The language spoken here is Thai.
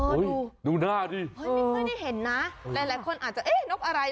ดูหน้าดิเฮ้ยไม่ค่อยได้เห็นนะหลายคนอาจจะเอ๊ะนกอะไร